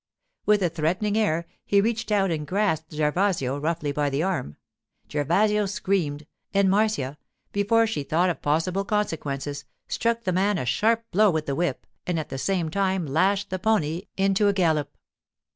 With a threatening air, he reached out and grasped Gervasio roughly by the arm. Gervasio screamed, and Marcia, before she thought of possible consequences, struck the man a sharp blow with the whip and at the same time lashed the pony into a gallop.